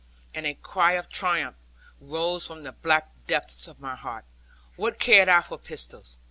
And a cry of triumph rose from the black depths of my heart. What cared I for pistols?